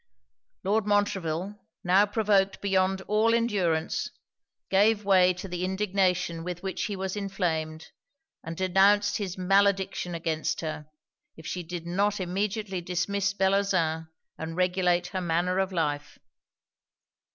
Lord Montreville, now provoked beyond all endurance, gave way to the indignation with which he was inflamed, and denounced his malediction against her, if she did not immediately dismiss Bellozane and regulate her manner of life.